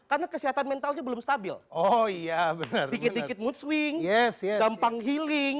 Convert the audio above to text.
karena kesehatan mentalnya belum stabil oh iya bener bener mudswing yes gampang healing